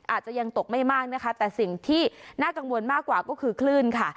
อาจจะยังตกไม่มากนะคะแต่สิ่งที่น่ากังวลมากกว่าก็คือคลื่นค่ะ